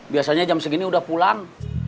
biasanya jam segini udah pulang